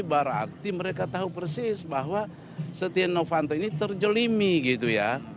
berarti mereka tahu persis bahwa setia novanto ini terjelimi gitu ya